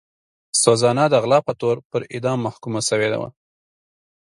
سوزانا د غلا په تور پر اعدام محکومه شوې وه.